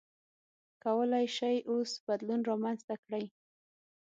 کولای شئ اوس بدلون رامنځته کړئ.